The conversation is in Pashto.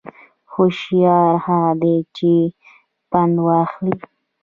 هوشیار هغه دی چې پند واخلي